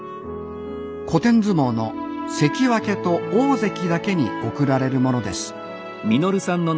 古典相撲の関脇と大関だけに贈られるものです